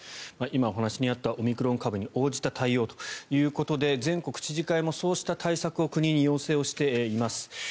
今、お話にあったオミクロン株に応じた対応ということで全国知事会もそうした対策を国に要請しています。